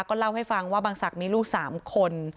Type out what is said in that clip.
ก็เล่าให้ฟังว่าบางศักดิ์มีลูก๓คน